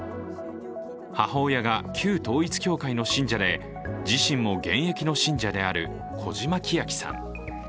母親が旧統一教会の信者で自身も現役の信者である小嶌希晶さん。